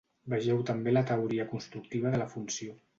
Vegeu també la teoria constructiva de la funció.